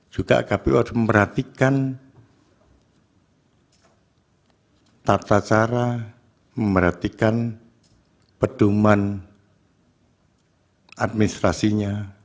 juga kpu harus memperhatikan tata cara memperhatikan pedoman administrasinya